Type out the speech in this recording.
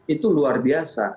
itu luar biasa